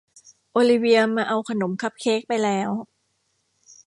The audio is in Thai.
โอลิเวียมาเอาขนมคัพเค้กไปแล้ว